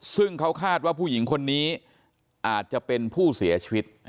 ซึ่งเขาคาดว่าผู้หญิงคนนี้อาจจะเป็นผู้เสียชีวิต